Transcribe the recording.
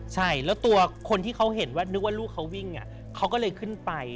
ใช่แล้วตัวคนที่เขาเห็นว่านึกว่าลูกเขาวิ่งเขาก็เลยขึ้นไป